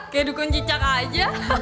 kayak dukun cicak aja